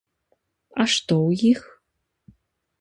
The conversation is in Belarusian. А што ў іх?